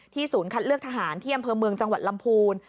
ที่ศูนย์คัดเลือกทหารเที่ยมเพอร์เมืองจังหวัดลำพูน